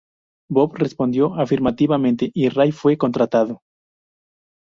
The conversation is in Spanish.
Bob respondió afirmativamente y Ray fue contratado.